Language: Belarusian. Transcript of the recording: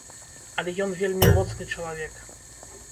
Але ён вельмі моцны чалавек.